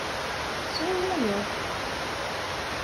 Sɛu wayeḍ.